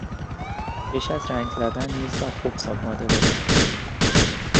پیش از رنگ زدن میز را خوب سنباده بزن.